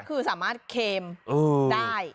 คือสามารถเค็มได้